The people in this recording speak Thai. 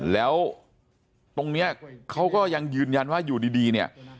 แล้วตรงนี้เขาก็ยังยืนยันว่าอยู่ดีเนี่ย